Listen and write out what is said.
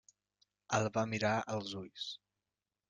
El va mirar als ulls.